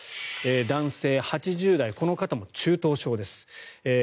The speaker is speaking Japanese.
男性、８０代この方も中等症です。